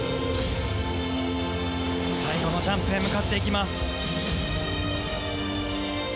最後のジャンプへ向かってきます。